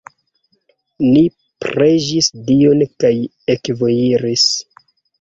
Ni preĝis Dion kaj ekvojiris.